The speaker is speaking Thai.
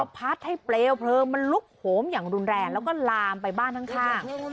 พัดให้เปลวเพลิงมันลุกโหมอย่างรุนแรงแล้วก็ลามไปบ้านข้าง